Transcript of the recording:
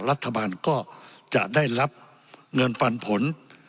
รัฐบาลก็จะได้รับเงินปันผล